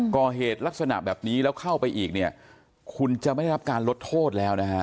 ก่อเหตุลักษณะแบบนี้แล้วเข้าไปอีกเนี่ยคุณจะไม่ได้รับการลดโทษแล้วนะฮะ